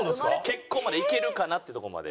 結婚までいけるかなってとこまで。